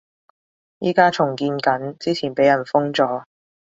而家重建緊，之前畀人封咗